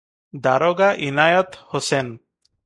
ଦାରୋଗା ଇନାଏତ ହୋସେନ